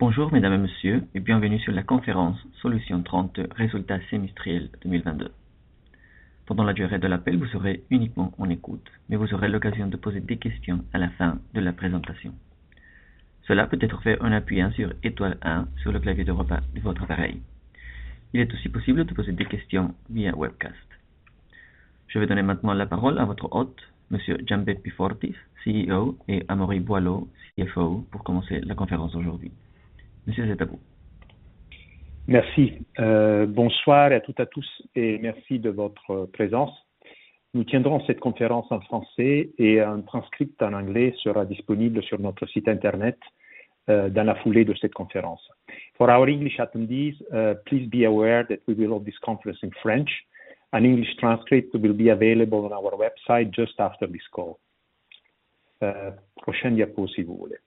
Bonjour Mesdames et Messieurs et bienvenue sur la conférence Solutions 30, résultats semestriels 2022. Pendant la durée de l'appel, vous serez uniquement en écoute, mais vous aurez l'occasion de poser des questions à la fin de la présentation. Cela peut être fait en appuyant sur étoile un sur le clavier de votre téléphone de votre appareil. Il est aussi possible de poser des questions via Webcast. Je vais donner maintenant la parole à votre hôte, Monsieur Gianbeppi Fortis, CEO, et Amaury Boilot, CFO, pour commencer la conférence aujourd'hui. Messieurs, c'est à vous. Merci. Bonsoir à toutes et à tous et merci de votre présence. Nous tiendrons cette conférence en français et un transcript en anglais sera disponible sur notre site Internet dans la foulée de cette conférence. For our English attendees, please be aware that we will hold this conference in French. An English transcript will be available on our website just after this call. Prochaine diapo, si vous voulez.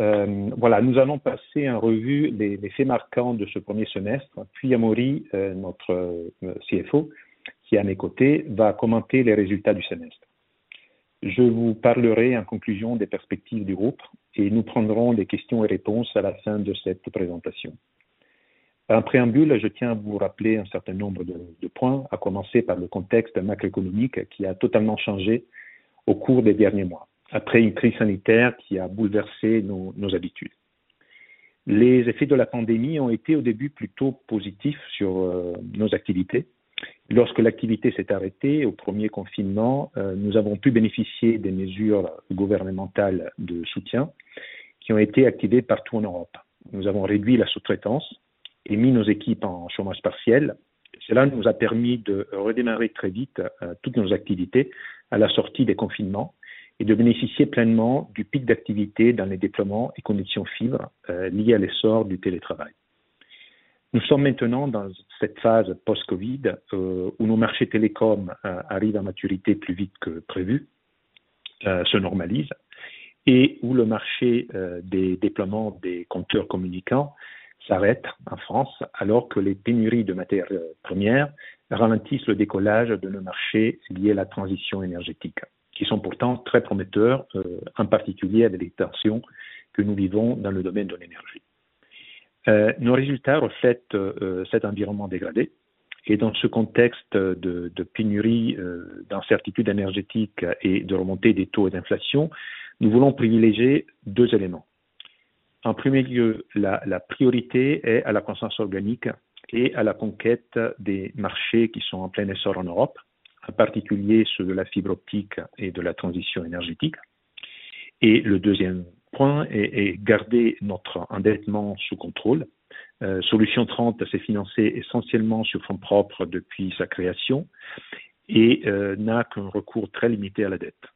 Voilà, nous allons passer en revue les faits marquants de ce premier semestre, puis Amaury, notre CFO, qui est à mes côtés, va commenter les résultats du semestre. Je vous parlerai en conclusion des perspectives du groupe et nous prendrons les questions et réponses à la fin de cette présentation. Par un préambule, je tiens à vous rappeler un certain nombre de points, à commencer par le contexte macroéconomique qui a totalement changé au cours des derniers mois, après une crise sanitaire qui a bouleversé nos habitudes. Les effets de la pandémie ont été au début plutôt positifs sur nos activités. Lorsque l'activité s'est arrêtée au premier confinement, nous avons pu bénéficier des mesures gouvernementales de soutien qui ont été activées partout en Europe. Nous avons réduit la sous-traitance et mis nos équipes en chômage partiel. Cela nous a permis de redémarrer très vite toutes nos activités à la sortie des confinements et de bénéficier pleinement du pic d'activité dans les déploiements et connexions fibre liées à l'essor du télétravail. Nous sommes maintenant dans cette phase post-COVID, où nos marchés télécoms arrivent à maturité plus vite que prévu, se normalisent, et où le marché des déploiements des compteurs communicants s'arrête en France alors que les pénuries de matières premières ralentissent le décollage de nos marchés liés à la transition énergétique, qui sont pourtant très prometteurs, en particulier avec les tensions que nous vivons dans le domaine de l'énergie. Nos résultats reflètent cet environnement dégradé et dans ce contexte de pénurie, d'incertitude énergétique et de remontée des taux d'inflation, nous voulons privilégier deux éléments. En premier lieu, la priorité est à la croissance organique et à la conquête des marchés qui sont en plein essor en Europe, en particulier ceux de la fibre optique et de la transition énergétique. Le deuxième point est garder notre endettement sous contrôle. Solutions 30 s'est financé essentiellement sur fonds propres depuis sa création et n'a qu'un recours très limité à la dette.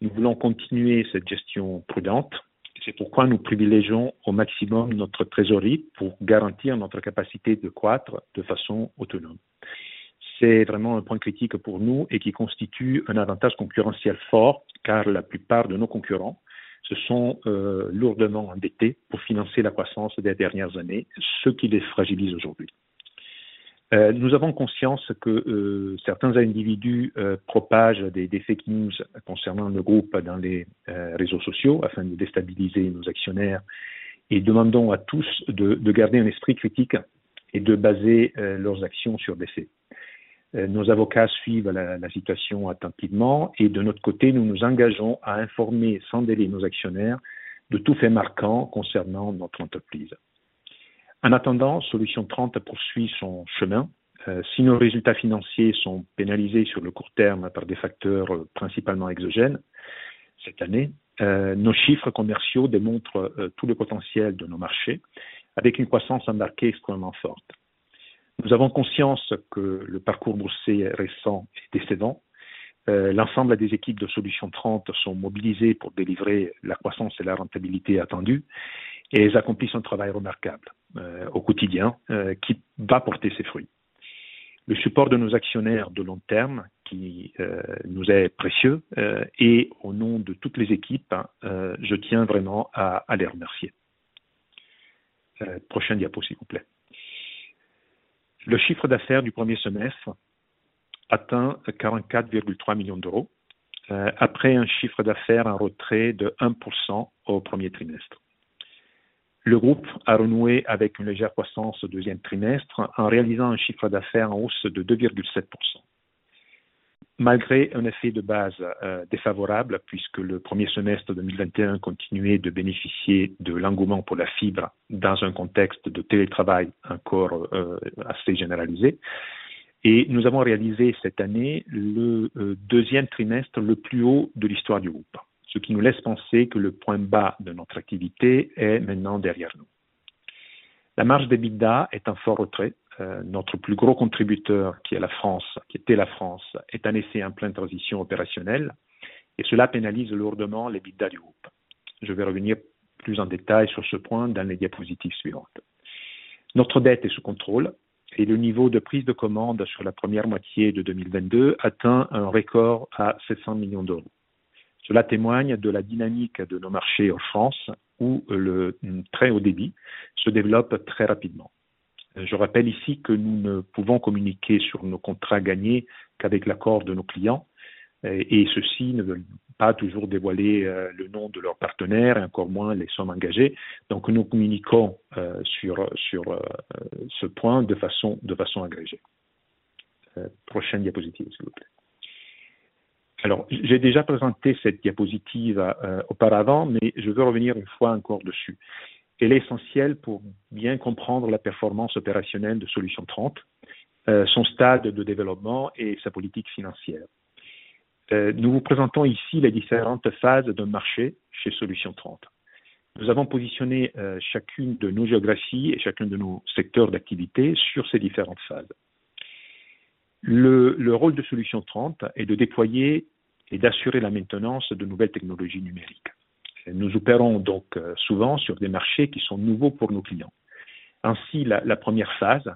Nous voulons continuer cette gestion prudente. C'est pourquoi nous privilégions au maximum notre trésorerie pour garantir notre capacité de croître de façon autonome. C'est vraiment un point critique pour nous et qui constitue un avantage concurrentiel fort, car la plupart de nos concurrents se sont lourdement endettés pour financer la croissance des dernières années, ce qui les fragilise aujourd'hui. Nous avons conscience que certains individus propagent des fake news concernant nos groupes dans les réseaux sociaux afin de déstabiliser nos actionnaires et demandons à tous de garder un esprit critique et de baser leurs actions sur des faits. Nos avocats suivent la situation attentivement et de notre côté, nous nous engageons à informer sans délai nos actionnaires de tout fait marquant concernant notre entreprise. En attendant, Solutions 30 poursuit son chemin. Si nos résultats financiers sont pénalisés sur le court terme par des facteurs principalement exogènes cette année, nos chiffres commerciaux démontrent tout le potentiel de nos marchés avec une croissance embarquée extrêmement forte. Nous avons conscience que le parcours boursier récent est descendant. L'ensemble des équipes de Solutions 30 sont mobilisées pour délivrer la croissance et la rentabilité attendues et elles accomplissent un travail remarquable au quotidien qui va porter ses fruits. Le support de nos actionnaires de long terme qui nous est précieux et au nom de toutes les équipes, je tiens vraiment à les remercier. Prochaine diapo, s'il vous plaît. Le chiffre d'affaires du premier semestre atteint 44.3 million, après un chiffre d'affaires en retrait de 1% au premier trimestre. Le groupe a renoué avec une légère croissance au deuxième trimestre en réalisant un chiffre d'affaires en hausse de 2.7%. Malgré un effet de base défavorable, puisque le premier semestre 2021 continuait de bénéficier de l'engouement pour la fibre dans un contexte de télétravail encore assez généralisé. Nous avons réalisé cette année le deuxième trimestre le plus haut de l'histoire du groupe, ce qui nous laisse penser que le point bas de notre activité est maintenant derrière nous. La marge d'EBITDA est en fort retrait. Notre plus gros contributeur, qui est la France, est en pleine transition opérationnelle et cela pénalise lourdement l'EBITDA du groupe. Je vais revenir plus en détail sur ce point dans les diapositives suivantes. Notre dette est sous contrôle et le niveau de prise de commande sur la première moitié de 2022 atteint un record à 700 million. Cela témoigne de la dynamique de nos marchés en France où le très haut débit se développe très rapidement. Je rappelle ici que nous ne pouvons communiquer sur nos contrats gagnés qu'avec l'accord de nos clients et ceux-ci ne veulent pas toujours dévoiler le nom de leur partenaire et encore moins les sommes engagées. Donc, nous communiquons sur ce point de façon agrégée. Prochaine diapositive, s'il vous plaît. J'ai déjà présenté cette diapositive auparavant, mais je veux revenir une fois encore dessus. Elle est essentielle pour bien comprendre la performance opérationnelle de Solutions 30, son stade de développement et sa politique financière. Nous vous présentons ici les différentes phases d'un marché chez Solutions 30. Nous avons positionné chacune de nos géographies et chacun de nos secteurs d'activité sur ces différentes phases. Le rôle de Solutions 30 est de déployer et d'assurer la maintenance de nouvelles technologies numériques. Nous opérons donc souvent sur des marchés qui sont nouveaux pour nos clients. Ainsi, la première phase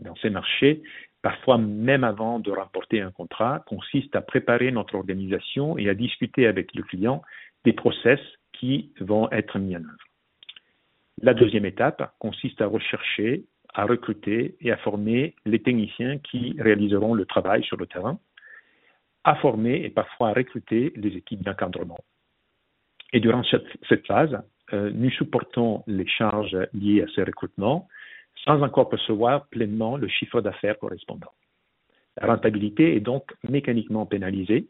dans ces marchés, parfois même avant de rapporter un contrat, consiste à préparer notre organisation et à discuter avec le client des process qui vont être mis en œuvre. La deuxième étape consiste à rechercher, à recruter et à former les techniciens qui réaliseront le travail sur le terrain, à former et parfois à recruter des équipes d'encadrement. Durant cette phase, nous supportons les charges liées à ce recrutement sans encore percevoir pleinement le chiffre d'affaires correspondant. La rentabilité est donc mécaniquement pénalisée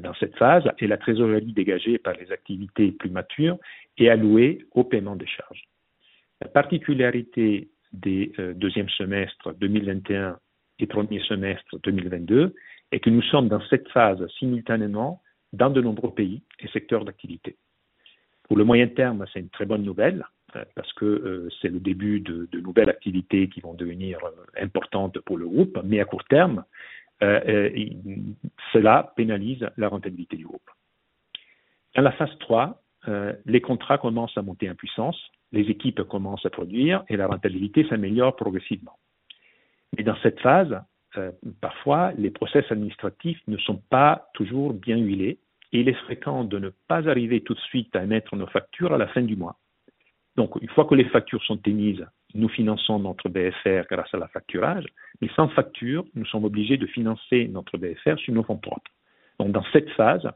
dans cette phase et la trésorerie dégagée par les activités plus matures est allouée au paiement des charges. La particularité des deuxième semestre 2021 et premier semestre 2022 est que nous sommes dans cette phase simultanément dans de nombreux pays et secteurs d'activité. Pour le moyen terme, c'est une très bonne nouvelle parce que c'est le début de nouvelles activités qui vont devenir importantes pour le groupe, mais à court terme, cela pénalise la rentabilité du groupe. Dans la phase trois, les contrats commencent à monter en puissance, les équipes commencent à produire et la rentabilité s'améliore progressivement. Mais dans cette phase, parfois, les process administratifs ne sont pas toujours bien huilés et il est fréquent de ne pas arriver tout de suite à émettre nos factures à la fin du mois. Une fois que les factures sont émises, nous finançons notre BFR grâce à l'affacturage, mais sans facture, nous sommes obligés de financer notre BFR sur nos fonds propres. Dans cette phase,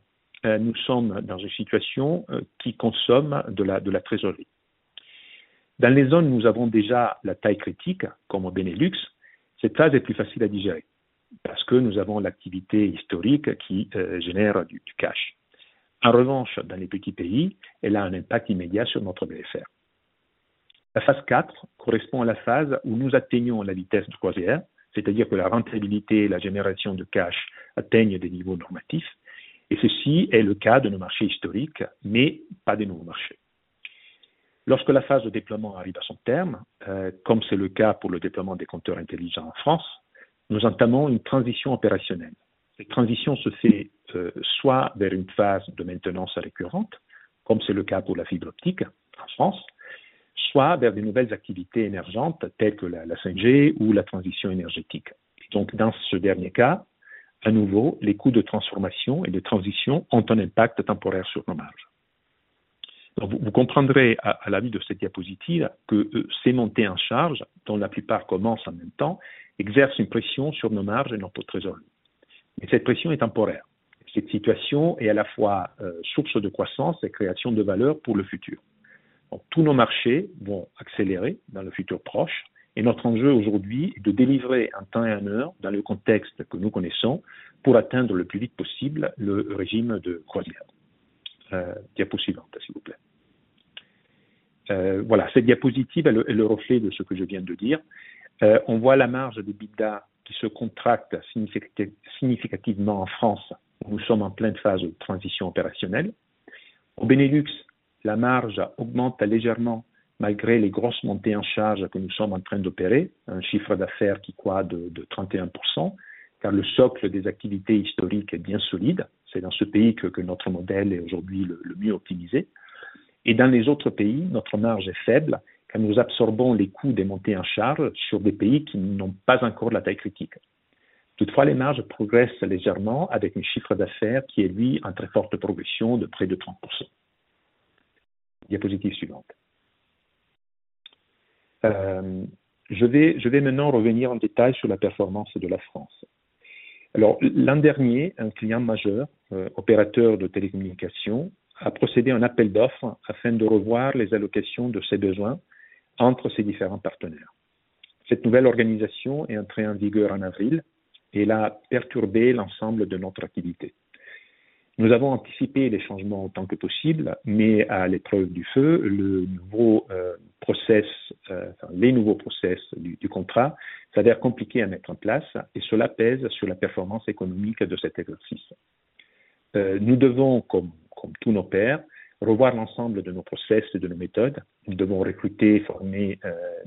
nous sommes dans une situation qui consomme de la trésorerie. Dans les zones où nous avons déjà la taille critique, comme au Benelux, cette phase est plus facile à digérer parce que nous avons l'activité historique qui génère du cash. En revanche, dans les petits pays, elle a un impact immédiat sur notre BFR. La phase 4 correspond à la phase où nous atteignons la vitesse de croisière, c'est-à-dire que la rentabilité et la génération de cash atteignent des niveaux normatifs. Ceci est le cas de nos marchés historiques, mais pas des nouveaux marchés. Lorsque la phase de déploiement arrive à son terme, comme c'est le cas pour le déploiement des compteurs intelligents en France, nous entamons une transition opérationnelle. Cette transition se fait soit vers une phase de maintenance récurrente, comme c'est le cas pour la fibre optique en France, soit vers des nouvelles activités émergentes telles que la 5G ou la transition énergétique. Dans ce dernier cas, à nouveau, les coûts de transformation et de transition ont un impact temporaire sur nos marges. Vous comprendrez à la vue de cette diapositive que ces montées en charge, dont la plupart commencent en même temps, exercent une pression sur nos marges et notre trésorerie. Cette pression est temporaire. Cette situation est à la fois source de croissance et création de valeur pour le futur. Tous nos marchés vont accélérer dans le futur proche et notre enjeu aujourd'hui est de délivrer un temps et un heure dans le contexte que nous connaissons pour atteindre le plus vite possible le régime de croisière. Diapo suivante, s'il vous plaît. Voilà, cette diapositive est le reflet de ce que je viens de dire. On voit la marge d'EBITDA qui se contracte significativement en France, où nous sommes en pleine phase de transition opérationnelle. Au Benelux, la marge augmente légèrement malgré les grosses montées en charge que nous sommes en train d'opérer. Un chiffre d'affaires qui croît de 31%, car le socle des activités historiques est bien solide. C'est dans ce pays que notre modèle est aujourd'hui le mieux optimisé. Dans les autres pays, notre marge est faible, car nous absorbons les coûts des montées en charge sur des pays qui n'ont pas encore la taille critique. Toutefois, les marges progressent légèrement avec un chiffre d'affaires qui, lui, est en très forte progression de près de 30%. Diapositive suivante. Je vais maintenant revenir en détail sur la performance de la France. L'an dernier, un client majeur, opérateur de télécommunication, a procédé à un appel d'offres afin de revoir les allocations de ses besoins entre ses différents partenaires. Cette nouvelle organisation est entrée en vigueur en avril et elle a perturbé l'ensemble de notre activité. Nous avons anticipé les changements autant que possible, mais à l'épreuve du feu, le nouveau process, enfin, les nouveaux process du contrat s'avèrent compliqués à mettre en place et cela pèse sur la performance économique de cet exercice. Nous devons, comme tous nos pairs, revoir l'ensemble de nos process et de nos méthodes. Nous devons recruter et former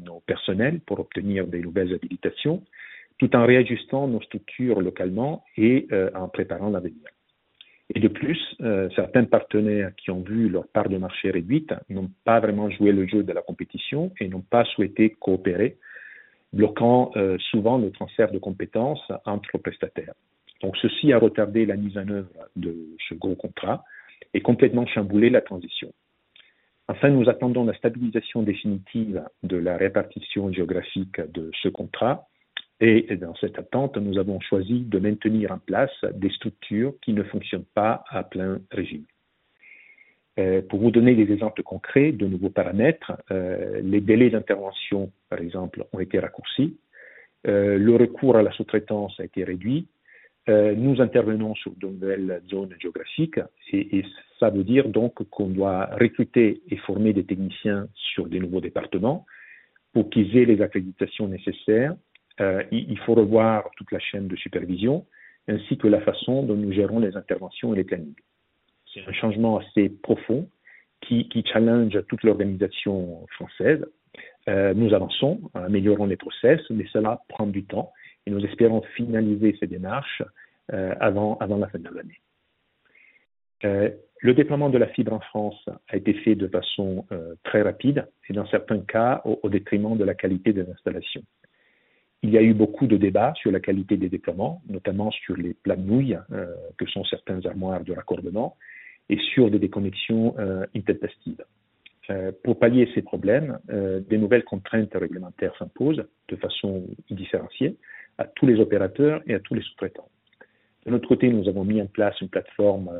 nos personnels pour obtenir des nouvelles habilitations tout en réajustant nos structures localement et en préparant l'avenir. De plus, certains partenaires qui ont vu leur part de marché réduite n'ont pas vraiment joué le jeu de la compétition et n'ont pas souhaité coopérer, bloquant souvent le transfert de compétences entre prestataires. Ceci a retardé la mise en œuvre de ce gros contrat. Complètement chamboulé la transition. Enfin, nous attendons la stabilisation définitive de la répartition géographique de ce contrat et dans cette attente, nous avons choisi de maintenir en place des structures qui ne fonctionnent pas à plein régime. Pour vous donner des exemples concrets de nouveaux paramètres, les délais d'intervention, par exemple, ont été raccourcis. Le recours à la sous-traitance a été réduit. Nous intervenons sur de nouvelles zones géographiques. Ça veut dire donc qu'on doit recruter et former des techniciens sur des nouveaux départements pour qu'ils aient les accréditations nécessaires. Il faut revoir toute la chaîne de supervision ainsi que la façon dont nous gérons les interventions et les plannings. C'est un changement assez profond qui challenge toute l'organisation française. Nous avançons, améliorons les process, mais cela prend du temps et nous espérons finaliser ces démarches avant la fin de l'année. Le déploiement de la fibre en France a été fait de façon très rapide et dans certains cas, au détriment de la qualité des installations. Il y a eu beaucoup de débats sur la qualité des déploiements, notamment sur les plats de nouilles que sont certains armoires de raccordement et sur des déconnexions intempestives. Pour pallier ces problèmes, des nouvelles contraintes réglementaires s'imposent de façon différenciée à tous les opérateurs et à tous les sous-traitants. De notre côté, nous avons mis en place une plateforme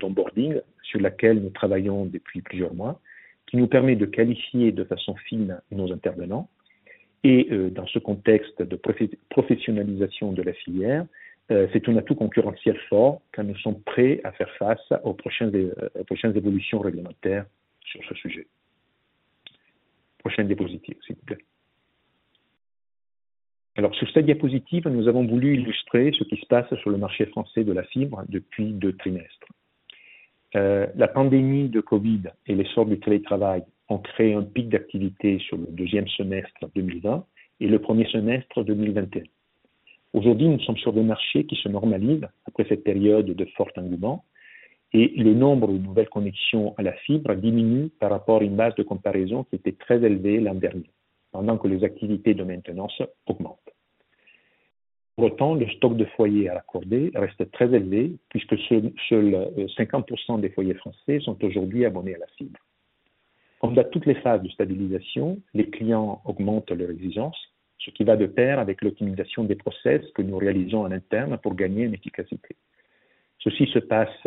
d'onboarding sur laquelle nous travaillons depuis plusieurs mois, qui nous permet de qualifier de façon fine nos intervenants. Dans ce contexte de professionnalisation de la filière, c'est un atout concurrentiel fort, car nous sommes prêts à faire face aux prochaines évolutions réglementaires sur ce sujet. Prochaine diapositive, s'il vous plaît. Alors, sur cette diapositive, nous avons voulu illustrer ce qui se passe sur le marché français de la fibre depuis deux trimestres. La pandémie de COVID et l'essor du télétravail ont créé un pic d'activité sur le deuxième semestre 2020 et le premier semestre 2021. Aujourd'hui, nous sommes sur des marchés qui se normalisent après cette période de fort engouement et le nombre de nouvelles connexions à la fibre diminue par rapport à une base de comparaison qui était très élevée l'an dernier, pendant que les activités de maintenance augmentent. Pour autant, le stock de foyers à raccorder reste très élevé puisque seuls 50% des foyers français sont aujourd'hui abonnés à la fibre. Comme dans toutes les phases de stabilisation, les clients augmentent leurs exigences, ce qui va de pair avec l'optimisation des process que nous réalisons en interne pour gagner en efficacité. Ceci se passe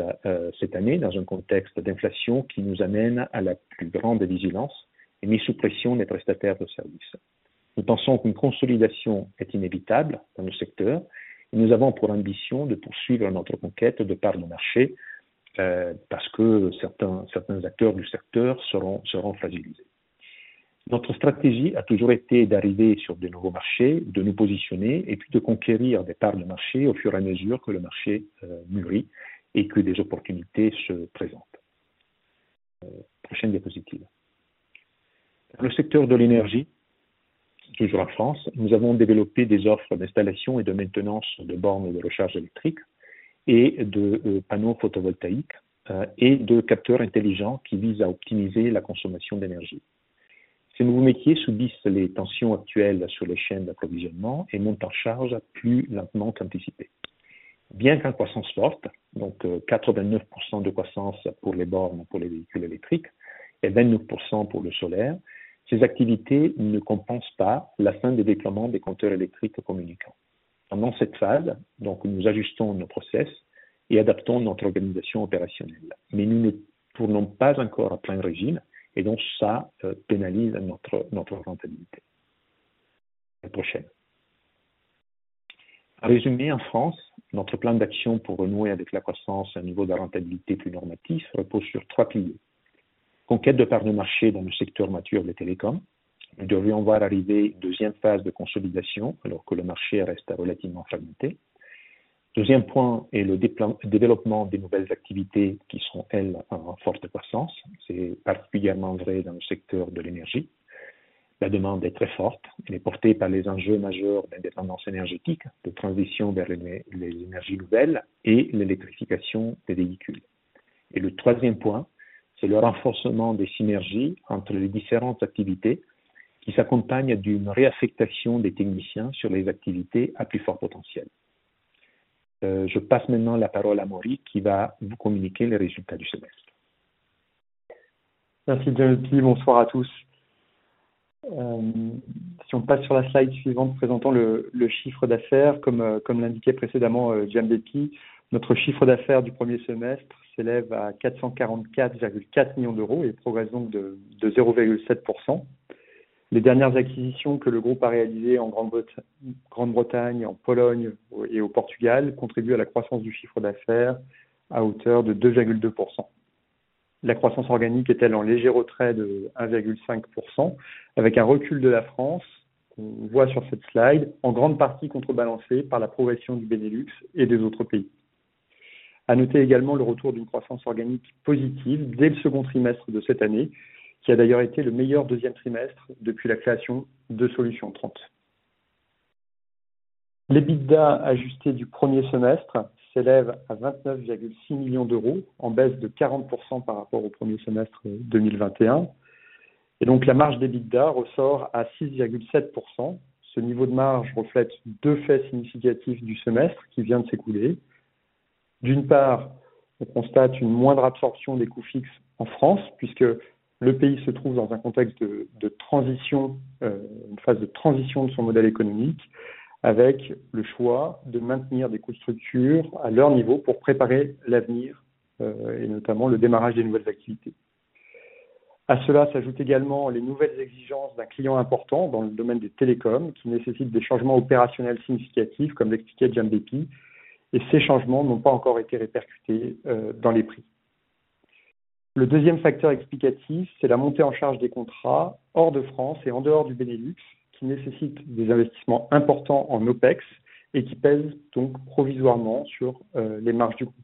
cette année dans un contexte d'inflation qui nous amène à la plus grande vigilance et met sous pression les prestataires de services. Nous pensons qu'une consolidation est inévitable dans nos secteurs et nous avons pour ambition de poursuivre notre conquête de parts de marché parce que certains acteurs du secteur seront fragilisés. Notre stratégie a toujours été d'arriver sur des nouveaux marchés, de nous positionner et puis de conquérir des parts de marché au fur et à mesure que le marché mûrit et que des opportunités se présentent. Prochaine diapositive. Le secteur de l'énergie, toujours en France, nous avons développé des offres d'installation et de maintenance de bornes de recharge électrique et de panneaux photovoltaïques et de capteurs intelligents qui visent à optimiser la consommation d'énergie. Ces nouveaux métiers subissent les tensions actuelles sur les chaînes d'approvisionnement et montent en charge plus lentement qu'anticipé. Bien qu'en croissance forte, donc 89% de croissance pour les bornes pour les véhicules électriques et 29% pour le solaire, ces activités ne compensent pas la fin des déploiements des compteurs électriques communicants. Pendant cette phase, donc, nous ajustons nos processus et adaptons notre organisation opérationnelle. Mais nous ne tournons pas encore à plein régime et donc ça pénalise notre rentabilité. Prochaine. En résumé, en France, notre plan d'action pour renouer avec la croissance à un niveau de rentabilité plus normal repose sur trois piliers. Conquête de parts de marché dans le secteur mature des télécoms. Nous devrions voir arriver une deuxième phase de consolidation alors que le marché reste relativement fragmenté. Deuxième point est le déploiement des nouvelles activités qui seront, elles, en forte croissance. C'est particulièrement vrai dans le secteur de l'énergie. La demande est très forte. Elle est portée par les enjeux majeurs d'indépendance énergétique, de transition vers les énergies nouvelles et l'électrification des véhicules. Le troisième point, c'est le renforcement des synergies entre les différentes activités qui s'accompagnent d'une réaffectation des techniciens sur les activités à plus fort potentiel. Je passe maintenant la parole à Maurie, qui va vous communiquer les résultats du semestre. Merci Gianbeppi Fortis. Bonsoir à tous. Si on passe sur la slide suivante présentant le chiffre d'affaires, comme l'indiquait précédemment Gianbeppi Fortis, notre chiffre d'affaires du premier semestre s'élève à 444.4 million et progresse donc de 0.7%. Les dernières acquisitions que le groupe a réalisées en Grande-Bretagne, en Pologne et au Portugal contribuent à la croissance du chiffre d'affaires à hauteur de 2.2%. La croissance organique est, elle, en léger retrait de 1.5%, avec un recul de la France, qu'on voit sur cette slide, en grande partie contrebalancé par la progression du Bénélux et des autres pays. À noter également le retour d'une croissance organique positive dès le second trimestre de cette année, qui a d'ailleurs été le meilleur deuxième trimestre depuis la création de Solutions 30. L'EBITDA ajusté du premier semestre s'élève à 29.6 million, en baisse de 40% par rapport au premier semestre 2021. Et donc la marge d'EBITDA ressort à 6.7%. Ce niveau de marge reflète deux faits significatifs du semestre qui vient de s'écouler. D'une part, on constate une moindre absorption des coûts fixes en France puisque le pays se trouve dans un contexte de transition, une phase de transition de son modèle économique avec le choix de maintenir des coûts de structure à leur niveau pour préparer l'avenir, et notamment le démarrage des nouvelles activités. À cela s'ajoutent également les nouvelles exigences d'un client important dans le domaine des télécoms qui nécessite des changements opérationnels significatifs, comme l'expliquait Gianbeppi, et ces changements n'ont pas encore été répercutés dans les prix. Le deuxième facteur explicatif, c'est la montée en charge des contrats hors de France et en dehors du Bénélux, qui nécessite des investissements importants en OPEX et qui pèsent donc provisoirement sur les marges du groupe.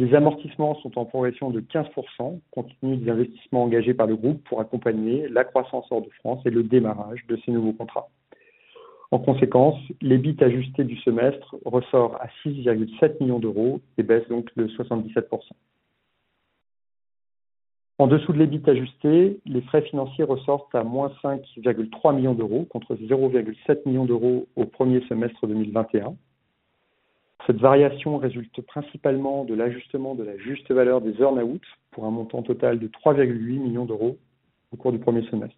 Les amortissements sont en progression de 15% compte tenu des investissements engagés par le groupe pour accompagner la croissance hors de France et le démarrage de ces nouveaux contrats. En conséquence, l'EBIT ajusté du semestre ressort à 6.7 million et baisse donc de 77%. En dessous de l'EBIT ajusté, les frais financiers ressortent à -5.3 million contre 0.7 million au premier semestre 2021. Cette variation résulte principalement de l'ajustement de la juste valeur des earn-outs pour un montant total de 3.8 million au cours du premier semestre.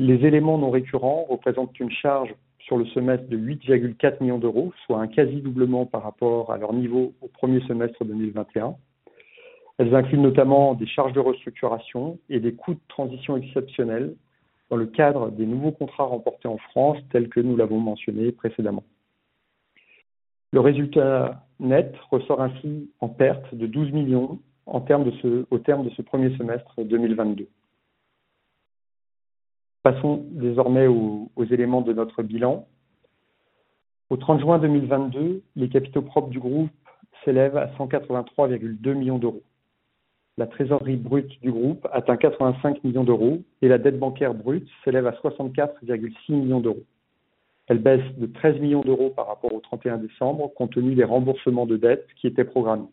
Les éléments non récurrents représentent une charge sur le semestre de 8.4 million, soit un quasi doublement par rapport à leur niveau au premier semestre 2021. Elles incluent notamment des charges de restructuration et des coûts de transition exceptionnels dans le cadre des nouveaux contrats remportés en France, tel que nous l'avons mentionné précédemment. Le résultat net ressort ainsi en perte de 12 million au terme de ce premier semestre 2022. Passons désormais aux éléments de notre bilan. Au 30 juin 2022, les capitaux propres du groupe s'élèvent à 183.2 million. La trésorerie brute du groupe atteint 85 million et la dette bancaire brute s'élève à 64.6 million. Elle baisse de 13 million par rapport au 31 décembre, compte tenu des remboursements de dettes qui étaient programmés.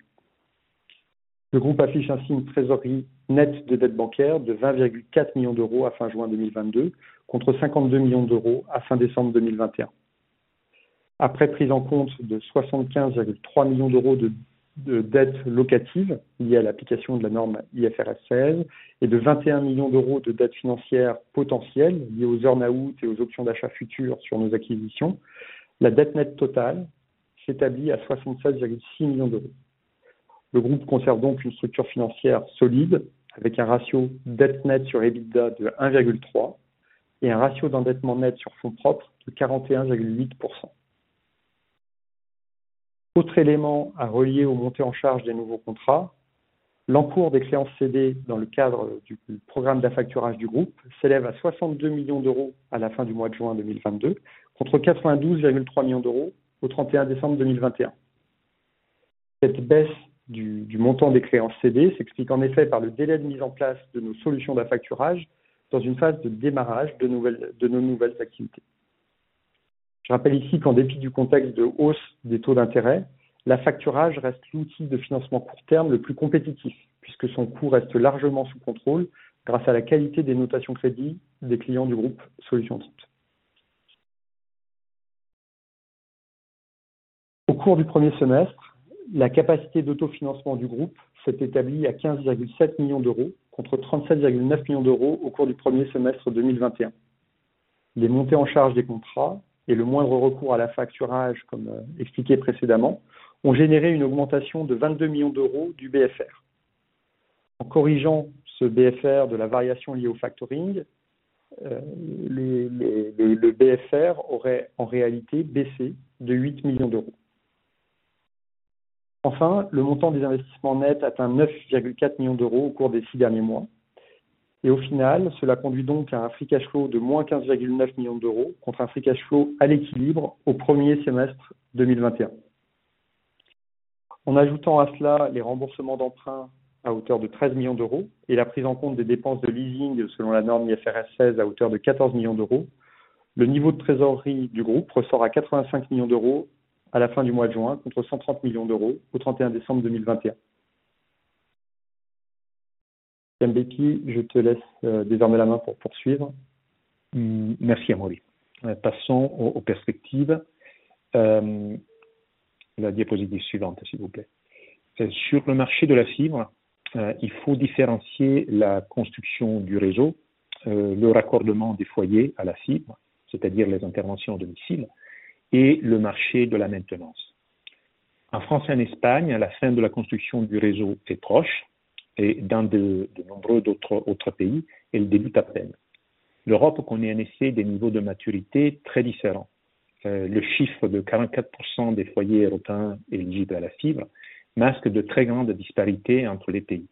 Le groupe affiche ainsi une trésorerie nette de dette bancaire de 20.4 million à fin juin 2022, contre 52 million à fin décembre 2021. Après prise en compte de 75.3 million de dettes locatives liées à l'application de la norme IFRS 16 et de 21 million de dettes financières potentielles liées aux earn-outs et aux options d'achat futures sur nos acquisitions, la dette nette totale s'établit à 76.6 million. Le groupe conserve donc une structure financière solide avec un ratio dette nette sur EBITDA de 1.3 et un ratio d'endettement net sur fonds propres de 41.8%. Autre élément à relier aux montées en charge des nouveaux contrats, l'encours des créances cédées dans le cadre du programme d'affacturage du groupe s'élève à 62 million à la fin du mois de juin 2022, contre 92.3 million au 31 décembre 2021. Cette baisse du montant des créances cédées s'explique en effet par le délai de mise en place de nos solutions d'affacturage dans une phase de démarrage de nos nouvelles activités. Je rappelle ici qu'en dépit du contexte de hausse des taux d'intérêt, l'affacturage reste l'outil de financement court terme le plus compétitif puisque son coût reste largement sous contrôle grâce à la qualité des notations crédit des clients du groupe Solutions 30. Au cours du premier semestre, la capacité d'autofinancement du groupe s'est établie à 15.7 million, contre 37.9 million au cours du premier semestre 2021. Les montées en charge des contrats et le moindre recours à l'affacturage, comme expliqué précédemment, ont généré une augmentation de 22 million du BFR. En corrigeant ce BFR de la variation liée à l'affacturage, le BFR aurait en réalité baissé de 8 million. Enfin, le montant des investissements nets atteint 9.4 million au cours des six derniers mois. Au final, cela conduit donc à un free cash flow de -15.9 million euros contre un free cash flow à l'équilibre au premier semestre 2021. En ajoutant à cela les remboursements d'emprunt à hauteur de 13 millions d'euros et la prise en compte des dépenses de leasing selon la norme IFRS 16 à hauteur de 14 millions d'euros, le niveau de trésorerie du groupe ressort à 85 millions d'euros à la fin du mois de juin, contre 130 millions d'euros au 31 décembre 2021. Gianbeppi, je te laisse désormais la main pour poursuivre. Merci Amaury. Passons aux perspectives. La diapositive suivante, s'il vous plaît. Sur le marché de la fibre, il faut différencier la construction du réseau, le raccordement des foyers à la fibre, c'est-à-dire les interventions à domicile, et le marché de la maintenance. En France et en Espagne, la fin de la construction du réseau est proche et dans de nombreux autres pays, elle débute à peine. L'Europe connaît ainsi des niveaux de maturité très différents. Le chiffre de 44% des foyers européens éligibles à la fibre masque de très grandes disparités entre les pays.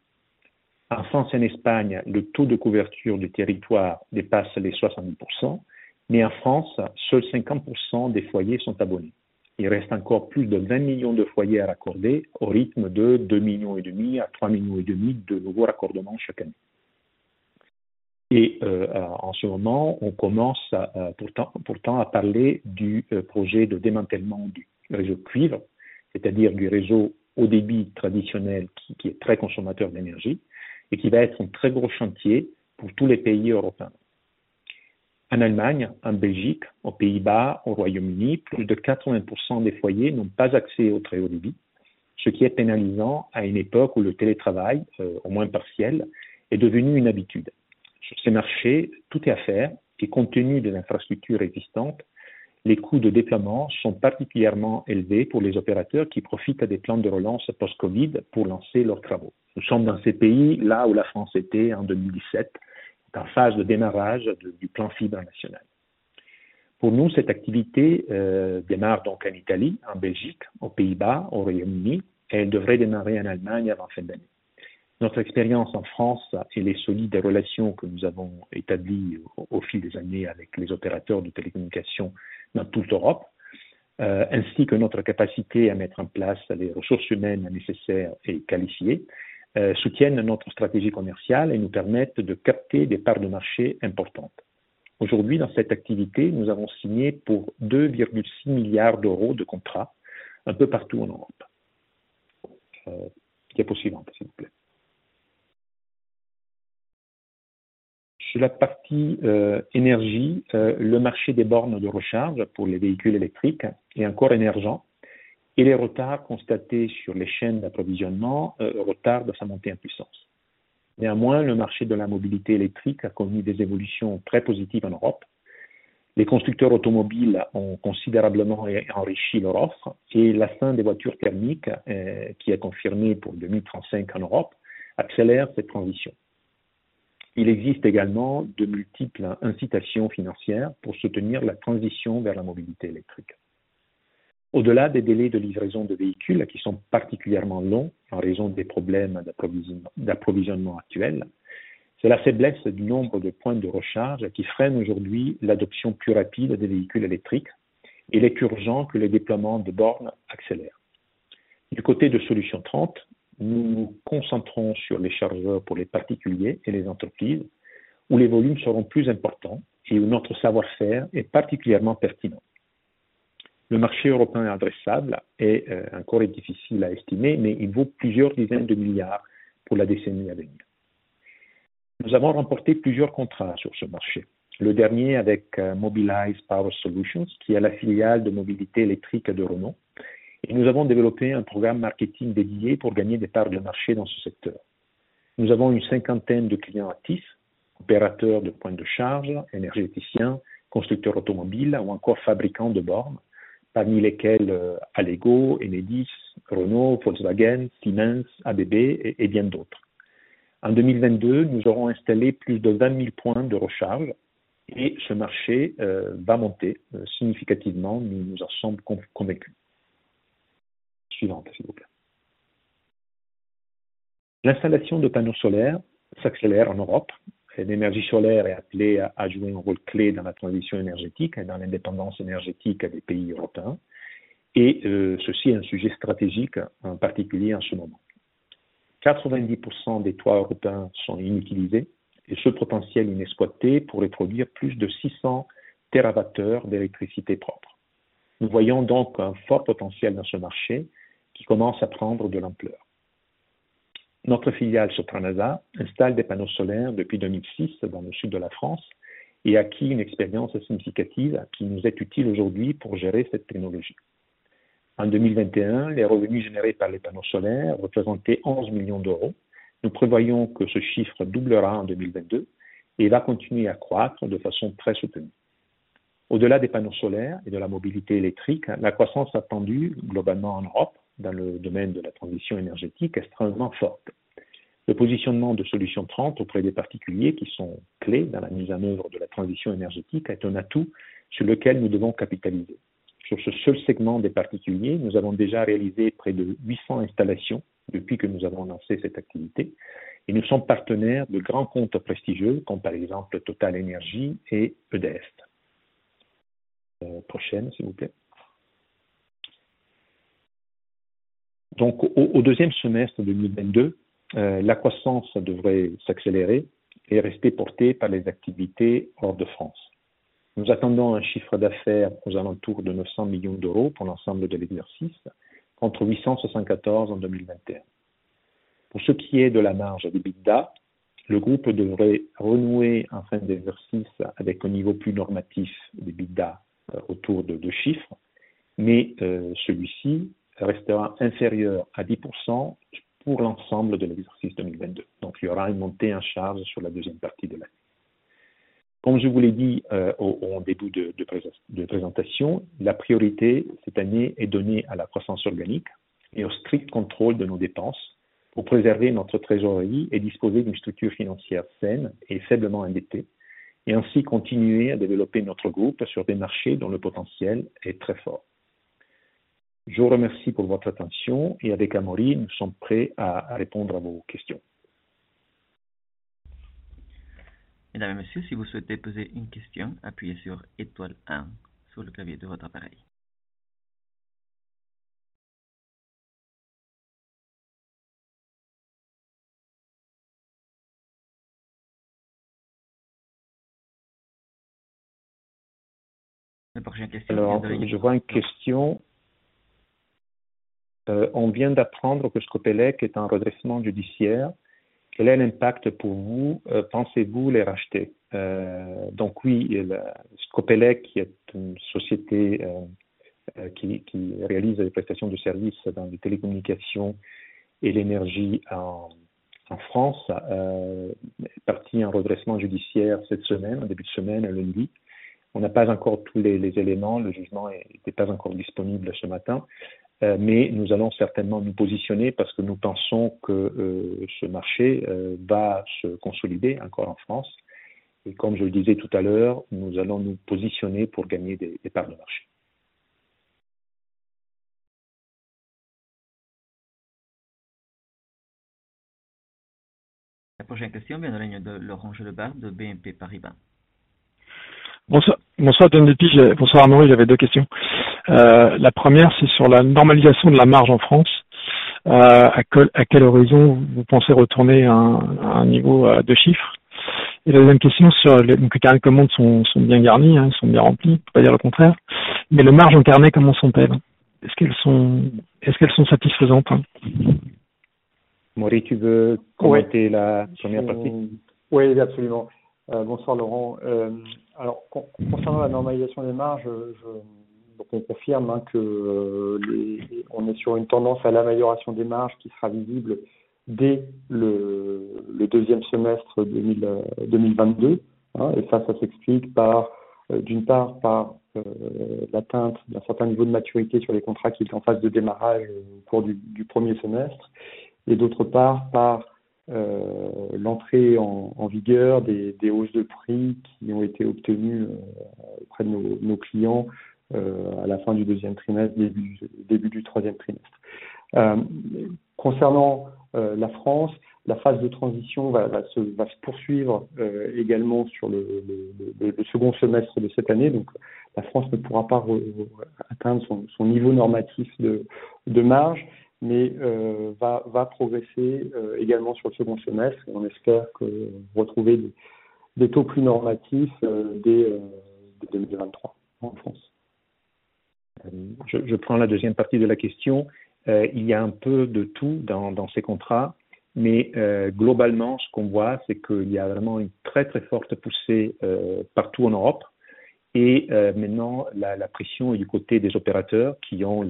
En France et en Espagne, le taux de couverture du territoire dépasse les 60%, mais en France, seuls 50% des foyers sont abonnés. Il reste encore plus de 20 millions de foyers à raccorder au rythme de 2.5 millions à 3.5 millions de nouveaux raccordements chaque année. En ce moment, on commence pourtant à parler du projet de démantèlement du réseau cuivre, c'est-à-dire du réseau haut débit traditionnel qui est très consommateur d'énergie et qui va être un très gros chantier pour tous les pays européens. En Allemagne, en Belgique, aux Pays-Bas, au Royaume-Uni, plus de 80% des foyers n'ont pas accès au très haut débit, ce qui est pénalisant à une époque où le télétravail, au moins partiel, est devenu une habitude. Sur ces marchés, tout est à faire et compte tenu de l'infrastructure existante, les coûts de déploiement sont particulièrement élevés pour les opérateurs qui profitent des plans de relance post-COVID pour lancer leurs travaux. Nous sommes dans ces pays là où la France était en 2017, en phase de démarrage du plan fibre national. Pour nous, cette activité démarre donc en Italie, en Belgique, aux Pays-Bas, au Royaume-Uni, et elle devrait démarrer en Allemagne avant fin d'année. Notre expérience en France et les solides relations que nous avons établies au fil des années avec les opérateurs de télécommunication dans toute l'Europe, ainsi que notre capacité à mettre en place les ressources humaines nécessaires et qualifiées, soutiennent notre stratégie commerciale et nous permettent de capter des parts de marché importantes. Aujourd'hui, dans cette activité, nous avons signé pour 2.6 milliards de contrats un peu partout en Europe. Diapo suivante, s'il vous plaît. Sur la partie énergie, le marché des bornes de recharge pour les véhicules électriques est encore émergent et les retards constatés sur les chaînes d'approvisionnement retardent sa montée en puissance. Néanmoins, le marché de la mobilité électrique a connu des évolutions très positives en Europe. Les constructeurs automobiles ont considérablement réenrichi leur offre et la fin des voitures thermiques, qui est confirmée pour 2035 en Europe, accélère cette transition. Il existe également de multiples incitations financières pour soutenir la transition vers la mobilité électrique. Au-delà des délais de livraison de véhicules qui sont particulièrement longs en raison des problèmes d'approvisionnement actuels, c'est la faiblesse du nombre de points de recharge qui freine aujourd'hui l'adoption plus rapide des véhicules électriques, et il est urgent que le déploiement de bornes accélère. Du côté de Solutions 30, nous nous concentrons sur les chargeurs pour les particuliers et les entreprises où les volumes seront plus importants et où notre savoir-faire est particulièrement pertinent. Le marché européen adressable est encore difficile à estimer, mais il vaut plusieurs dizaines de milliards EUR pour la décennie à venir. Nous avons remporté plusieurs contrats sur ce marché, le dernier avec Mobilize Power Solutions, qui est la filiale de mobilité électrique de Renault. Nous avons développé un programme marketing dédié pour gagner des parts de marché dans ce secteur. Nous avons 50 clients actifs, opérateurs de points de charge, énergéticiens, constructeurs automobiles ou encore fabricants de bornes, parmi lesquels Allego, Enedis, Renault, Volkswagen, Siemens, ABB et bien d'autres. En 2022, nous aurons installé plus de 20,000 points de recharge et ce marché va monter significativement, nous en sommes convaincus. Suivante, s'il vous plaît. L'installation de panneaux solaires s'accélère en Europe. L'énergie solaire est appelée à jouer un rôle clé dans la transition énergétique et dans l'indépendance énergétique des pays européens. Ceci est un sujet stratégique, en particulier en ce moment. 90% des toits européens sont inutilisés et ce potentiel inexploité pourrait produire plus de 600 térawattheures d'électricité propre. Nous voyons donc un fort potentiel dans ce marché qui commence à prendre de l'ampleur. Notre filiale Sotranasa installe des panneaux solaires depuis 2006 dans le sud de la France et a acquis une expérience significative qui nous est utile aujourd'hui pour gérer cette technologie. En 2021, les revenus générés par les panneaux solaires représentaient 11 million. Nous prévoyons que ce chiffre doublera en 2022 et va continuer à croître de façon très soutenue. Au-delà des panneaux solaires et de la mobilité électrique, la croissance attendue globalement en Europe dans le domaine de la transition énergétique est extrêmement forte. Le positionnement de Solutions 30 auprès des particuliers qui sont clé dans la mise en œuvre de la transition énergétique est un atout sur lequel nous devons capitaliser. Sur ce seul segment des particuliers, nous avons déjà réalisé près de 800 installations depuis que nous avons lancé cette activité et nous sommes partenaires de grands comptes prestigieux comme par exemple TotalEnergies et EDF. Prochaine, s'il vous plaît. Au deuxième semestre 2022, la croissance devrait s'accélérer et rester portée par les activités hors de France. Nous attendons un chiffre d'affaires aux alentours de 900 million pour l'ensemble de l'exercice, contre 874 en 2021. Pour ce qui est de la marge d'EBITDA, le groupe devrait renouer en fin d'exercice avec un niveau plus normatif d'EBITDA autour de deux chiffres, mais, celui-ci restera inférieur à 10% pour l'ensemble de l'exercice 2022. Donc, il y aura une montée en charge sur la deuxième partie de l'année. Comme je vous l'ai dit, au début de présentation, la priorité cette année est donnée à la croissance organique et au strict contrôle de nos dépenses pour préserver notre trésorerie et disposer d'une structure financière saine et faiblement endettée et ainsi continuer à développer notre groupe sur des marchés dont le potentiel est très fort. Je vous remercie pour votre attention et avec Amaury, nous sommes prêts à répondre à vos questions. Mesdames, Messieurs, si vous souhaitez poser une question, appuyez sur étoile un sur le clavier de votre appareil. Je vois une question : On vient d'apprendre que Scopelec est en redressement judiciaire. Quel est l'impact pour vous? Pensez-vous les racheter? Donc oui, Scopelec, qui est une société qui réalise des prestations de services dans les télécommunications et l'énergie en France, est partie en redressement judiciaire cette semaine, en début de semaine, lundi. On n'a pas encore tous les éléments. Le jugement n'était pas encore disponible ce matin, mais nous allons certainement nous positionner parce que nous pensons que ce marché va se consolider encore en France. Comme je le disais tout à l'heure, nous allons nous positionner pour gagner des parts de marché. La prochaine question vient de la ligne de Laurent Gélébart, de BNP Paribas. Bonsoir, Duncan Pugh. Bonsoir, Amaury. J'avais deux questions. La première, c'est sur la normalisation de la marge en France. À quel horizon vous pensez retourner à un niveau à deux chiffres? La deuxième question sur les carnets de commandes sont bien garnis, hein, sont bien remplis, on ne peut pas dire le contraire, mais les marges incarnées, comment sont-elles? Est-ce qu'elles sont satisfaisantes? Amaury, tu veux commenter la première partie? Oui, absolument. Bonsoir Laurent. Concernant la normalisation des marges, je donc on confirme hein que les on est sur une tendance à l'amélioration des marges qui sera visible dès le deuxième semestre 2022 hein. Ça s'explique par d'une part par l'atteinte d'un certain niveau de maturité sur les contrats qui étaient en phase de démarrage au cours du premier semestre et d'autre part par l'entrée en vigueur des hausses de prix qui ont été obtenues auprès de nos clients à la fin du deuxième trimestre début du troisième trimestre. Concernant la France, la phase de transition va se poursuivre également sur le second semestre de cette année. La France ne pourra pas atteindre son niveau normatif de marge, mais va progresser également sur le second semestre. On espère que retrouver des taux plus normatifs dès 2023 en France. Je prends la deuxième partie de la question. Il y a un peu de tout dans ces contrats, mais globalement, ce qu'on voit, c'est qu'il y a vraiment une très très forte poussée partout en Europe. Maintenant, la pression est du côté des opérateurs qui ont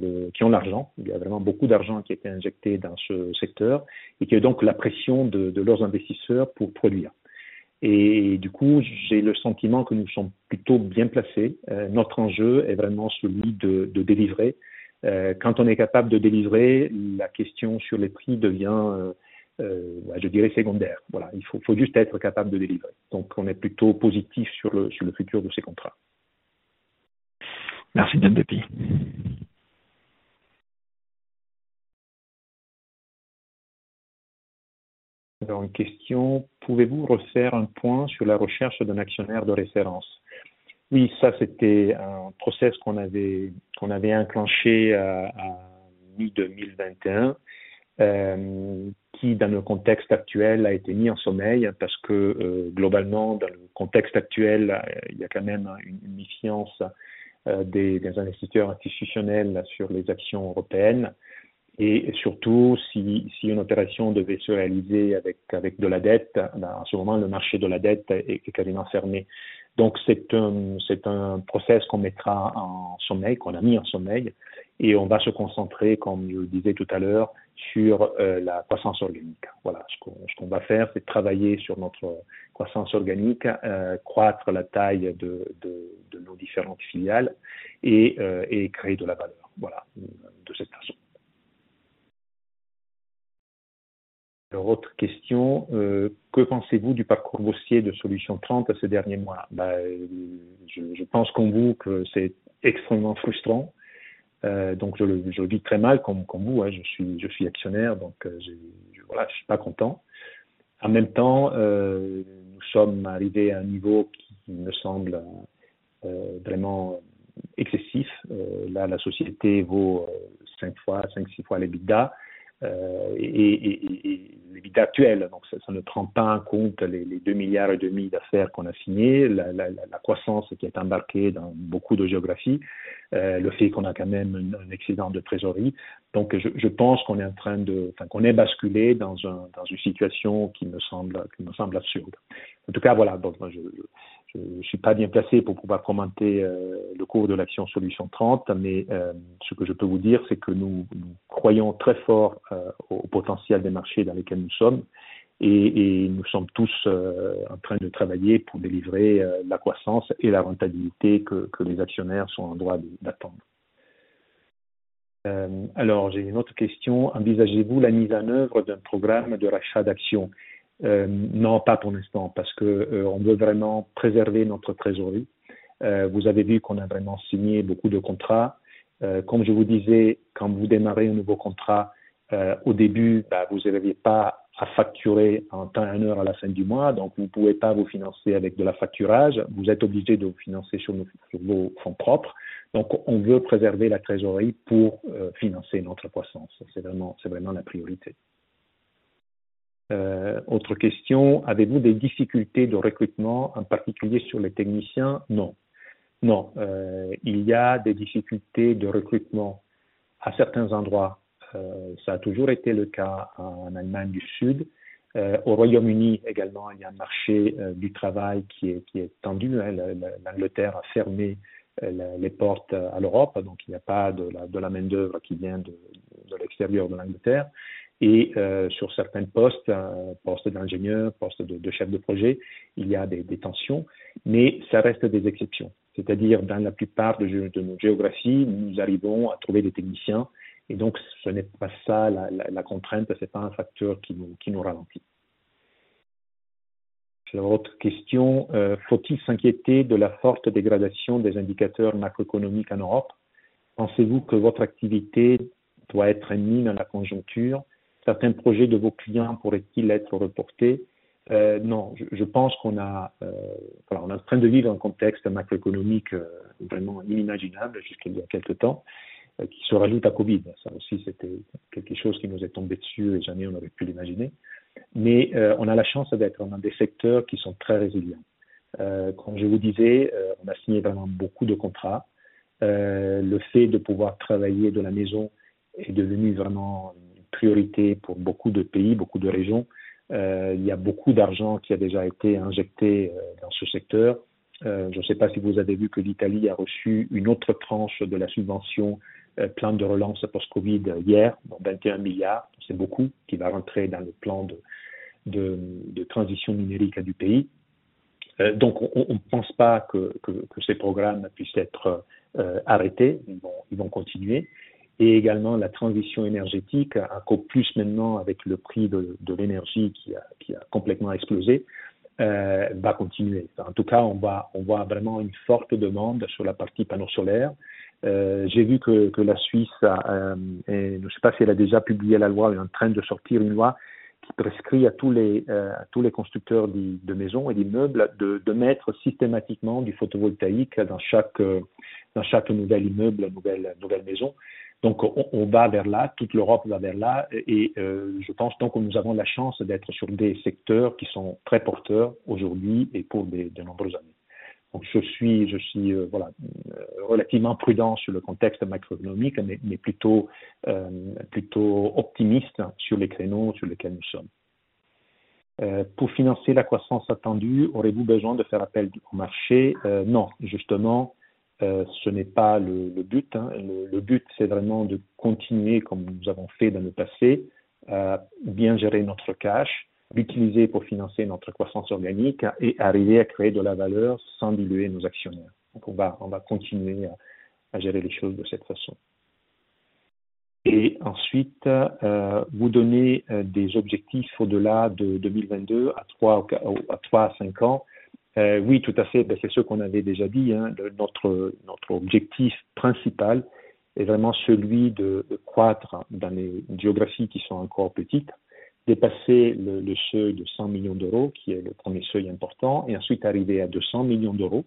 l'argent. Il y a vraiment beaucoup d'argent qui a été injecté dans ce secteur et qui a donc la pression de leurs investisseurs pour produire. Du coup, j'ai le sentiment que nous sommes plutôt bien placés. Notre enjeu est vraiment celui de délivrer. Quand on est capable de délivrer, la question sur les prix devient, je dirais, secondaire. Voilà, il faut juste être capable de délivrer. Donc, on est plutôt positif sur le futur de ces contrats. Merci Duncan Pugh. Une question: Pouvez-vous refaire un point sur la recherche d'un actionnaire de référence? Oui, ça, c'était un process qu'on avait enclenché à mi-2021, qui, dans le contexte actuel, a été mis en sommeil parce que, globalement, dans le contexte actuel, il y a quand même une méfiance des investisseurs institutionnels sur les actions européennes et surtout, si une opération devait se réaliser avec de la dette, ben en ce moment, le marché de la dette est quasiment fermé. Donc c'est un process qu'on a mis en sommeil et on va se concentrer, comme je le disais tout à l'heure, sur la croissance organique. Voilà, ce qu'on va faire, c'est travailler sur notre croissance organique, croître la taille de nos différentes filiales et créer de la valeur. Voilà, de cette façon. Alors autre question: Que pensez-vous du parcours boursier de Solutions 30 ces derniers mois? Ben je pense comme vous que c'est extrêmement frustrant. Donc, je le vis très mal comme vous hein, je suis actionnaire, donc voilà, je suis pas content. En même temps, nous sommes arrivés à un niveau qui me semble vraiment excessif. La société vaut 5-6 fois l'EBITDA et l'EBITDA actuel. Ça ne prend pas en compte les 2.5 billion d'affaires qu'on a signés, la croissance qui est embarquée dans beaucoup de géographies, le fait qu'on a quand même un excédent de trésorerie. Je pense qu'on est basculé dans une situation qui me semble absurde. En tout cas, voilà, moi je suis pas bien placé pour pouvoir commenter le cours de l'action Solutions 30, mais ce que je peux vous dire, c'est que nous croyons très fort au potentiel des marchés dans lesquels nous sommes et nous sommes tous en train de travailler pour délivrer la croissance et la rentabilité que les actionnaires sont en droit d'attendre. Alors, j'ai une autre question: Envisagez-vous la mise en œuvre d'un programme de rachat d'actions? Non, pas pour l'instant, parce que on veut vraiment préserver notre trésorerie. Vous avez vu qu'on a vraiment signé beaucoup de contrats. Comme je vous disais, quand vous démarrez un nouveau contrat, au début, ben vous avez pas assez à facturer en temps et en heure à la fin du mois. Donc, vous ne pouvez pas vous financer avec de l'affacturage. Vous êtes obligé de vous financer sur vos fonds propres. Donc, on veut préserver la trésorerie pour financer notre croissance. C'est vraiment la priorité. Autre question: avez-vous des difficultés de recrutement, en particulier sur les techniciens? Non. Il y a des difficultés de recrutement à certains endroits. Ça a toujours été le cas en Allemagne du Sud. Au Royaume-Uni également, il y a un marché du travail qui est tendu. L'Angleterre a fermé les portes à l'Europe, donc il n'y a pas de la main d'œuvre qui vient de l'extérieur de l'Angleterre. Sur certains postes d'ingénieurs, postes de chefs de projets, il y a des tensions, mais ça reste des exceptions. C'est-à-dire dans la plupart de nos géographies, nous arrivons à trouver des techniciens. Donc ce n'est pas ça la contrainte, ce n'est pas un facteur qui nous ralentit. Sur votre question: faut-il s'inquiéter de la forte dégradation des indicateurs macroéconomiques en Europe? Pensez-vous que votre activité doit être liée à la conjoncture? Certains projets de vos clients pourraient-ils être reportés? Non, je pense qu'on est en train de vivre un contexte macroéconomique vraiment inimaginable jusqu'il y a quelque temps, qui se rajoute à COVID. Ça aussi, c'était quelque chose qui nous est tombé dessus, jamais on n'aurait pu l'imaginer. Mais on a la chance d'être dans des secteurs qui sont très résilients. Comme je vous disais, on a signé vraiment beaucoup de contrats. Le fait de pouvoir travailler de la maison est devenu vraiment une priorité pour beaucoup de pays, beaucoup de régions. Il y a beaucoup d'argent qui a déjà été injecté dans ce secteur. Je ne sais pas si vous avez vu que l'Italie a reçu une autre tranche de la subvention plan de relance post-COVID hier, 21 milliards. C'est beaucoup qui va rentrer dans le plan de transition numérique du pays. Donc, on ne pense pas que ces programmes puissent être arrêtés. Ils vont continuer. Et également, la transition énergétique, encore plus maintenant avec le prix de l'énergie qui a complètement explosé, va continuer. En tout cas, on voit vraiment une forte demande sur la partie panneaux solaires. J'ai vu que la Suisse, je ne sais pas si elle a déjà publié la loi, mais est en train de sortir une loi qui prescrit à tous les constructeurs de maisons et d'immeubles de mettre systématiquement du photovoltaïque dans chaque nouvel immeuble, nouvelle maison. Donc, on va vers là, toute l'Europe va vers là. Et je pense donc que nous avons la chance d'être sur des secteurs qui sont très porteurs aujourd'hui et pour de nombreuses années. Donc, je suis relativement prudent sur le contexte macroéconomique, mais plutôt optimiste sur les créneaux sur lesquels nous sommes. Pour financer la croissance attendue, aurez-vous besoin de faire appel au marché? Non, justement, ce n'est pas le but. Le but, c'est vraiment de continuer, comme nous avons fait dans le passé, à bien gérer notre cash, l'utiliser pour financer notre croissance organique et arriver à créer de la valeur sans diluer nos actionnaires. Donc, on va continuer à gérer les choses de cette façon. Et ensuite, vous donnez des objectifs au-delà de 2022 à 3, 5 ans. Oui, tout à fait. C'est ce qu'on avait déjà dit. Notre objectif principal est vraiment celui de croître dans les géographies qui sont encore petites, dépasser le seuil de 100 millions d'euros, qui est le premier seuil important, et ensuite arriver à 200 millions d'euros.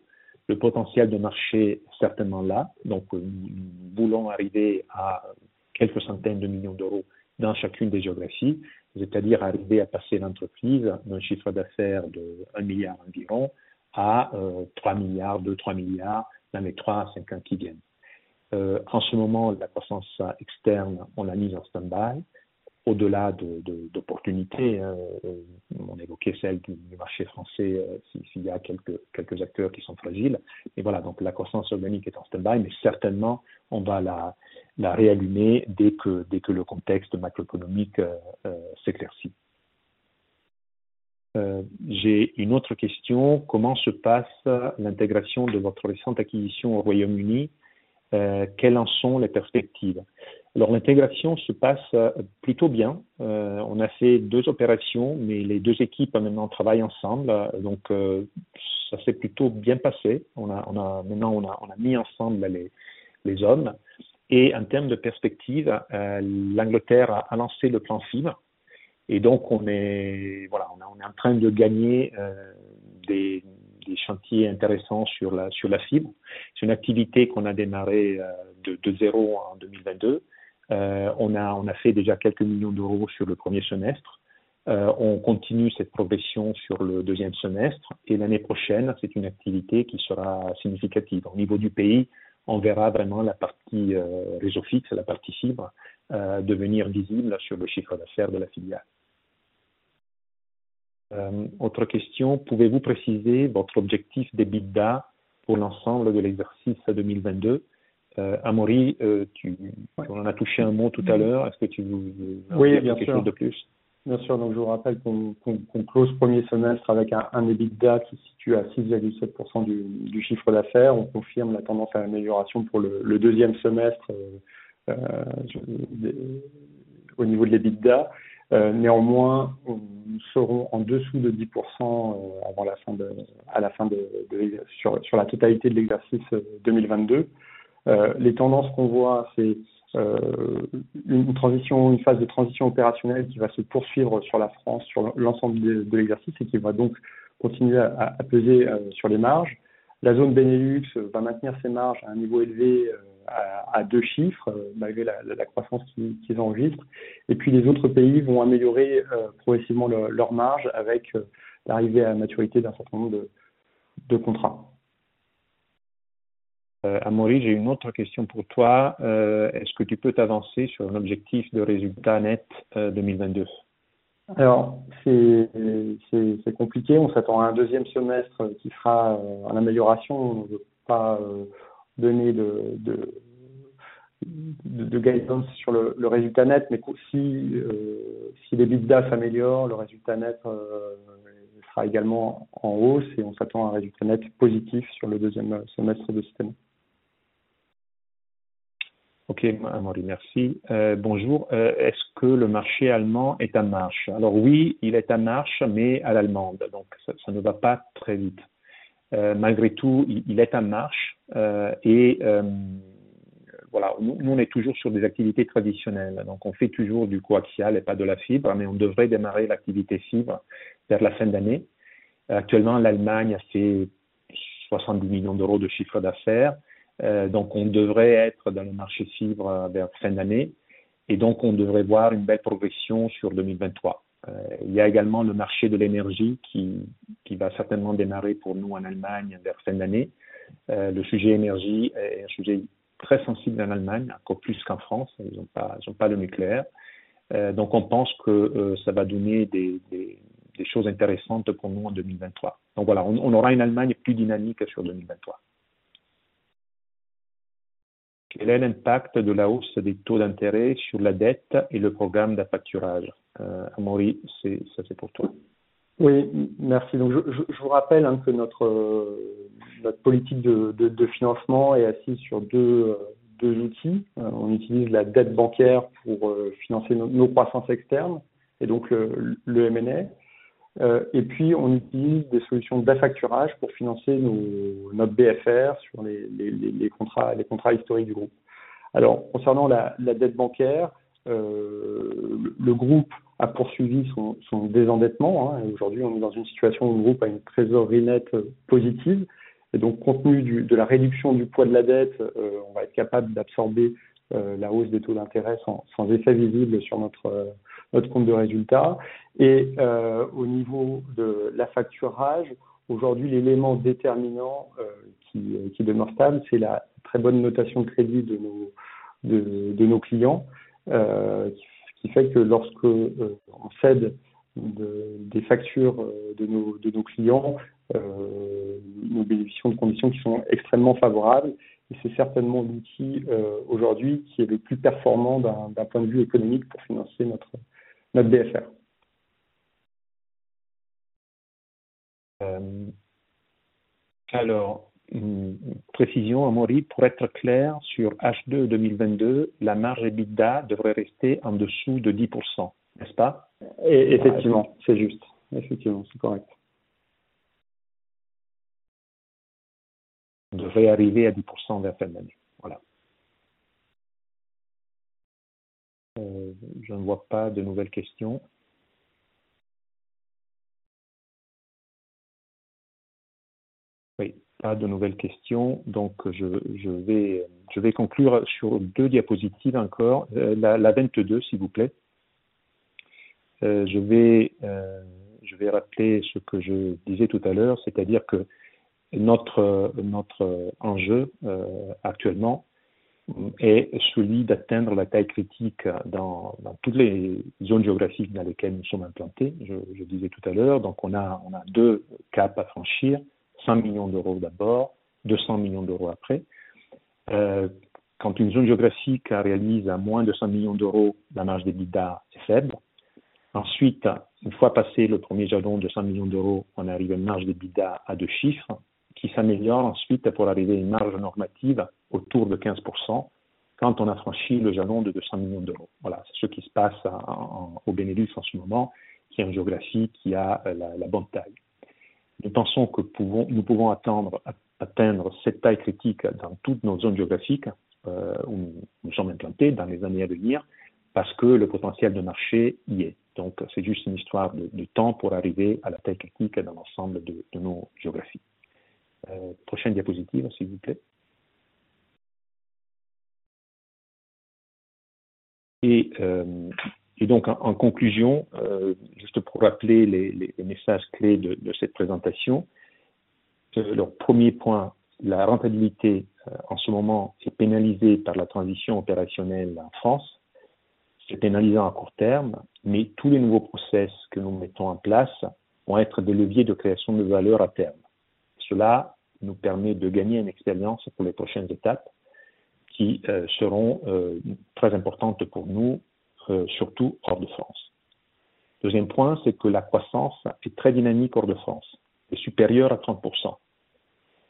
Le potentiel de marché est certainement là. Nous voulons arriver à quelques centaines de millions d'euros dans chacune des géographies, c'est-à-dire arriver à passer l'entreprise d'un chiffre d'affaires de 1 milliard environ à 3 milliards, 2, 3 milliards dans les 3 à 5 ans qui viennent. En ce moment, la croissance externe, on l'a mise en stand-by. Au-delà d'opportunités, on évoquait celle du marché français, s'il y a quelques acteurs qui sont fragiles. Voilà, la croissance organique est en stand-by, mais certainement, on va la réallumer dès que le contexte macroéconomique s'éclaircit. J'ai une autre question: comment se passe l'intégration de votre récente acquisition au Royaume-Uni? Quelles en sont les perspectives? L'intégration se passe plutôt bien. On a fait 2 opérations, mais les 2 équipes maintenant travaillent ensemble. Ça s'est plutôt bien passé. Maintenant, on a mis ensemble les hommes. En termes de perspectives, l'Angleterre a lancé le plan fibre. Donc on est en train de gagner des chantiers intéressants sur la fibre. C'est une activité qu'on a démarrée de zéro en 2022. On a fait déjà EUR quelques millions sur le premier semestre. On continue cette progression sur le deuxième semestre et l'année prochaine, c'est une activité qui sera significative. Au niveau du pays, on verra vraiment la partie réseau fixe, la partie fibre, devenir visible sur le chiffre d'affaires de la filiale. Autre question: pouvez-vous préciser votre objectif d'EBITDA pour l'ensemble de l'exercice 2022? Amaury, tu en as touché un mot tout à l'heure. Est-ce que tu veux nous en dire quelque chose de plus ? Bien sûr. Je vous rappelle qu'on a closé le premier semestre avec un EBITDA qui se situe à 6.7% du chiffre d'affaires. On confirme la tendance à l'amélioration pour le deuxième semestre au niveau de l'EBITDA. Néanmoins, nous serons en dessous de 10% sur la totalité de l'exercice 2022. Les tendances qu'on voit, c'est une transition, une phase de transition opérationnelle qui va se poursuivre sur la France sur l'ensemble de l'exercice et qui va donc continuer à peser sur les marges. La zone Benelux va maintenir ses marges à un niveau élevé à deux chiffres malgré la croissance qu'ils enregistrent. Et puis les autres pays vont améliorer progressivement leurs marges avec l'arrivée à maturité d'un certain nombre de contrats. Amaury, j'ai une autre question pour toi: Est-ce que tu peux t'avancer sur un objectif de résultat net 2022? C'est compliqué. On s'attend à un deuxième semestre qui fera une amélioration. On ne veut pas donner de guidance sur le résultat net, mais si l'EBITDA s'améliore, le résultat net sera également en hausse et on s'attend à un résultat net positif sur le deuxième semestre de cette année. OK Amaury, merci. Bonjour, est-ce que le marché allemand est en marche? Alors oui, il est en marche, mais à l'allemande, donc ça ne va pas très vite. Malgré tout, il est en marche et voilà. Nous, on est toujours sur des activités traditionnelles. Donc, on fait toujours du coaxial et pas de la fibre, mais on devrait démarrer l'activité fibre vers la fin de l'année. Actuellement, l'Allemagne, c'est 70 million de chiffre d'affaires. Donc, on devrait être dans le marché fibre vers fin d'année et donc on devrait voir une belle progression sur 2023. Il y a également le marché de l'énergie qui va certainement démarrer pour nous en Allemagne vers fin de l'année. Le sujet énergie est un sujet très sensible en Allemagne, encore plus qu'en France. Ils n'ont pas le nucléaire. On pense que ça va donner des choses intéressantes pour nous en 2023. Voilà, on aura une Allemagne plus dynamique sur 2023. Quel est l'impact de la hausse des taux d'intérêt sur la dette et le programme d'affacturage? Amaury, ça, c'est pour toi. Oui, merci. Je vous rappelle que notre politique de financement est assise sur deux outils. On utilise la dette bancaire pour financer nos croissances externes et donc le M&A. Et puis on utilise des solutions d'affacturage pour financer notre BFR sur les contrats historiques du groupe. Alors concernant la dette bancaire, le groupe a poursuivi son désendettement. Aujourd'hui, on est dans une situation où le groupe a une trésorerie nette positive. Compte tenu de la réduction du poids de la dette, on va être capable d'absorber la hausse des taux d'intérêt sans effet visible sur notre compte de résultat. Et au niveau de l'affacturage, aujourd'hui, l'élément déterminant qui demeure stable, c'est la très bonne notation crédit de nos clients, ce qui fait que lorsque on cède des factures de nos clients, nous bénéficions de conditions qui sont extrêmement favorables. C'est certainement l'outil aujourd'hui qui est le plus performant d'un point de vue économique pour financer notre BFR. Précision, Amaury, pour être clair sur H2 2022, la marge EBITDA devrait rester en dessous de 10%. N'est-ce pas? Effectivement, c'est juste. Effectivement, c'est correct. On devrait arriver à dix pour cent vers la fin de l'année. Voilà. Je ne vois pas de nouvelles questions. Oui, pas de nouvelles questions. Donc, je vais conclure sur deux diapositives encore. La vingt-deux, s'il vous plaît. Je vais rappeler ce que je disais tout à l'heure, c'est-à-dire que notre enjeu actuellement est celui d'atteindre la taille critique dans toutes les zones géographiques dans lesquelles nous sommes implantés. Je disais tout à l'heure, donc on a deux caps à franchir: cent millions d'euros d'abord, deux cents millions d'euros après. Quand une zone géographique réalise moins de cent millions d'euros, la marge d'EBITDA est faible. Ensuite, une fois passé le premier jalon de 100 million, on arrive à une marge d'EBITDA à deux chiffres qui s'améliore ensuite pour arriver à une marge normative autour de 15% quand on a franchi le jalon de 200 million. Voilà, c'est ce qui se passe au Benelux en ce moment, qui est une géographie qui a la bonne taille. Nous pensons que nous pouvons atteindre cette taille critique dans toutes nos zones géographiques où nous sommes implantés dans les années à venir parce que le potentiel de marché y est. Donc c'est juste une histoire de temps pour arriver à la taille critique dans l'ensemble de nos géographies. Prochaine diapositive, s'il vous plaît. En conclusion, juste pour rappeler les messages clés de cette présentation. Premier point, la rentabilité en ce moment est pénalisée par la transition opérationnelle en France, c'est pénalisant à court terme, mais tous les nouveaux process que nous mettons en place vont être des leviers de création de valeur à terme. Cela nous permet de gagner une expérience pour les prochaines étapes qui seront très importantes pour nous, surtout hors de France. Deuxième point, c'est que la croissance est très dynamique hors de France et supérieure à 30%.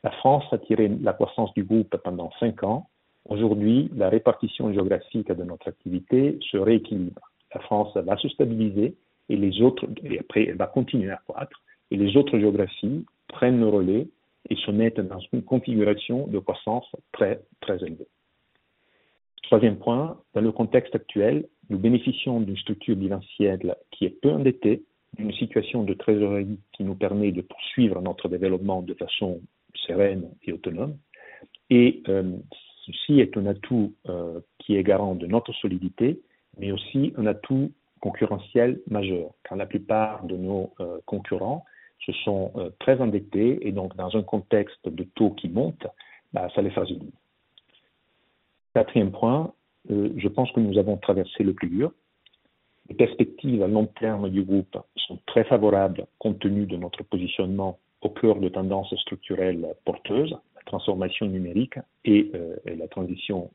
La France a tiré la croissance du groupe pendant 5 ans. Aujourd'hui, la répartition géographique de notre activité se rééquilibre. La France va se stabiliser et les autres, et après, elle va continuer à croître et les autres géographies prennent le relais et se mettent dans une configuration de croissance très élevée. Troisième point, dans le contexte actuel, nous bénéficions d'une structure bilancielle qui est peu endettée, d'une situation de trésorerie qui nous permet de poursuivre notre développement de façon sereine et autonome. Ceci est un atout qui est garant de notre solidité, mais aussi un atout concurrentiel majeur, car la plupart de nos concurrents se sont très endettés et donc dans un contexte de taux qui montent, ça les phase out. Quatrième point, je pense que nous avons traversé le plus dur. Les perspectives à long terme du groupe sont très favorables compte tenu de notre positionnement au cœur de tendances structurelles porteuses, la transformation numérique et la transition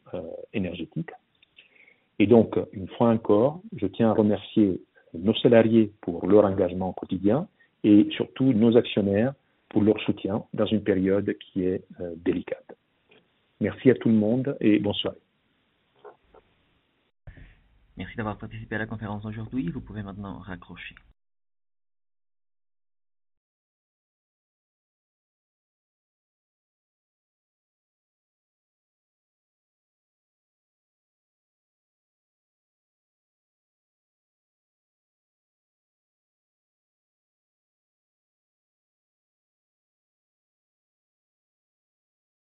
énergétique. Une fois encore, je tiens à remercier nos salariés pour leur engagement quotidien et surtout nos actionnaires pour leur soutien dans une période qui est délicate. Merci à tout le monde et bonsoir. Merci d'avoir participé à la conférence aujourd'hui. Vous pouvez maintenant raccrocher.